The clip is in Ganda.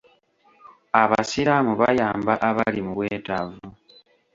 Abasiraamu bayamba abali mu bwetaavu.